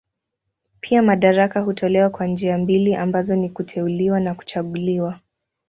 Pia madaraka hutolewa kwa njia mbili ambazo ni kuteuliwa na kuchaguliwa.